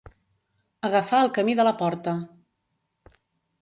Agafar el camí de la porta.